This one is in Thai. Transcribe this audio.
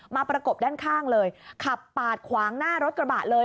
ประกบด้านข้างเลยขับปาดขวางหน้ารถกระบะเลย